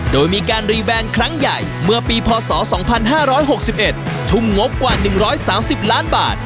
โดยมีการคลั้งใหญ่เมื่อปีพศสองพันห้าร้อยหกสิบเอ็ดทุ่มงบกว่าหนึ่งร้อยสามสิบล้านบาท